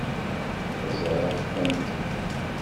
Ẓriɣ-kent.